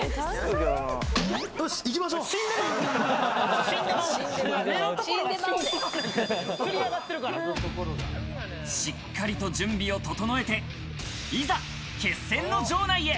しっかりと準備を整えて、いざ決戦の場内へ。